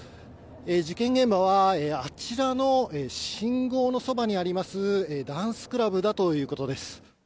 事件現場は、あちらの信号のそばにあります、ダンスクラブだということです。